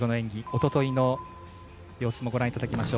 おとといの様子もご覧いただきます。